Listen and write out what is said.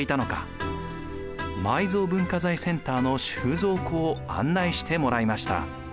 埋蔵文化財センターの収蔵庫を案内してもらいました。